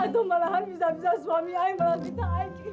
atau malahan bisa bisa suami ayu malah kita ayu